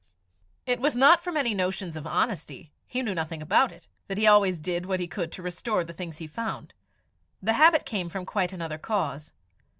It was not from any notions of honesty he knew nothing about it that he always did what he could to restore the things he found; the habit came from quite another cause.